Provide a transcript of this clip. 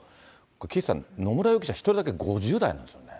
岸さん、野村容疑者１人だけ５０代なんですよね。